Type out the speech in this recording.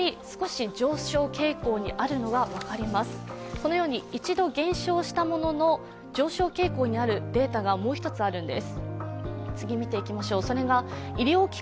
このように一度減少したものの上昇傾向にあるデータがもう一つあるんです。